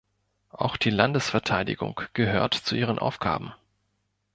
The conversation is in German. Auch die Landesverteidigung gehört zu ihren Aufgaben.